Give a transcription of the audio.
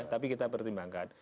tapi kita pertimbangkan